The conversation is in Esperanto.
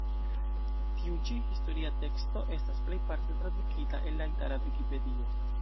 Tiu ĉi historia teksto estis plejparte tradukita el la itala vikipedio.